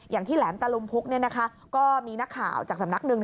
อย่างที่แหลมตลมพุกเนี่ยนะคะก็มีนักข่าวจากสำนักหนึ่ง